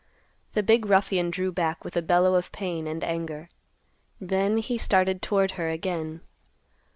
The big ruffian drew back with a bellow of pain and anger. Then he started toward her again.